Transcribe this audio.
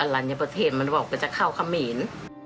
อรัญญะประเทศมันบอกว่าจะเข้าคำเห็น